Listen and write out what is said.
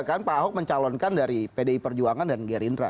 kan pak ahok mencalonkan dari pdi perjuangan dan gerindra